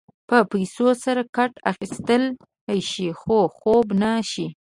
په پیسو سره کټ اخيستلی شې خو خوب نه شې.